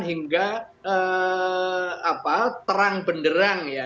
hingga terang benderang ya